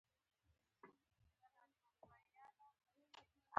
تنور د کور ساه بلل کېږي